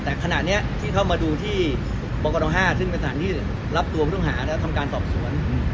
แต่ขณะนี้ที่เข้ามาดูที่บกน๕ซึ่งเป็นสถานที่รับตัวผู้ต้องหาแล้วทำการสอบสวน